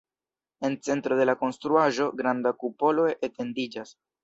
En centro de la konstruaĵo granda kupolo etendiĝas.